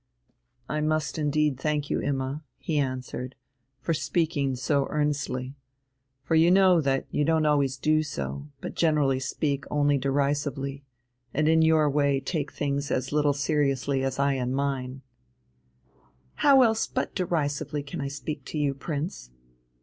"I must indeed thank you, Imma," he answered, "for speaking so earnestly, for you know that you don't always do so, but generally speak only derisively, and in your way take things as little seriously as I in mine." "How else but derisively can I speak to you, Prince?"